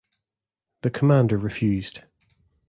The commander refused.